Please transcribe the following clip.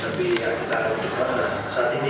tapi kalau tanya tanya